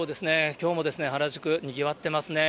きょうも原宿、にぎわってますね。